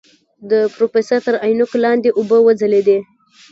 د پروفيسر تر عينکو لاندې اوبه وځلېدې.